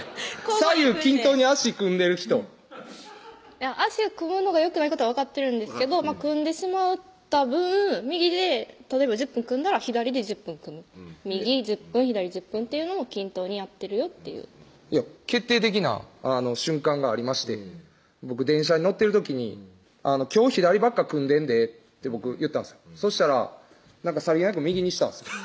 左右均等に足組んでる人足を組むのがよくないことは分かってるんですけど組んでしまった分右で例えば１０分組んだら左で１０分組む右１０分・左１０分っていうのを均等にやってるよっていう決定的な瞬間がありまして僕電車に乗ってる時に「今日左ばっか組んでんで」って僕言ったんですよそしたらさりげなく右にしたんですよ